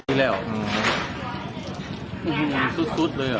ที่แล้วอืมสุดสุดเลยอ่ะ